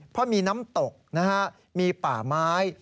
เพราะมีน้ำตกนะฮะมีป่าไม้